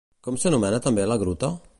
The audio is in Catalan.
Com s'anomena també la Gruta?